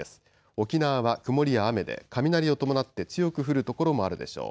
沖縄は曇りや雨で雷を伴って強く降る所もあるでしょう。